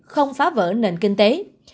không phá vỡ nền kinh tế